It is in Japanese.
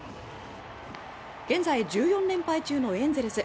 現在１４連敗中のエンゼルス。